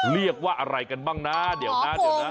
เรียกว่าอะไรกันบ้างนะเดี๋ยวนะ